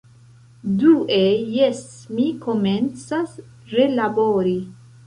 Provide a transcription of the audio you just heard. Due... jes, mi komencas relabori